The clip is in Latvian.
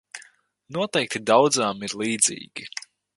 Noteikti daudzām ir līdzīgi.